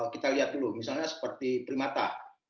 kita lihat dulu misalnya seperti primata